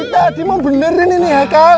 tadi mau benerin ini ya kal